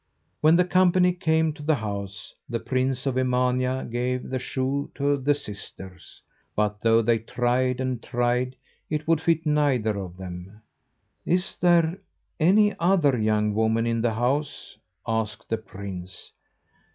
When the company came to the house, the prince of Emania gave the shoe to the sisters. But though they tried and tried, it would fit neither of them. "Is there any other young woman in the house?" asked the prince.